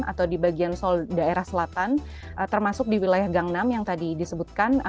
atau di bagian seoul daerah selatan termasuk di wilayah gangnam yang tadi disebutkan